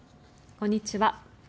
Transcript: こんにちは。